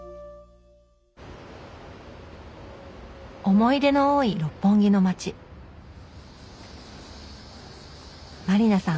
思い出の多い六本木の街満里奈さん